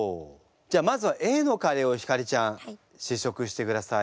じゃあまずはＡのカレーを晃ちゃん試食してください。